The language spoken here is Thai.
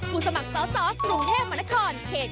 ผู้สมัครสาวกรุงเทพมนาคอนเขต๒๘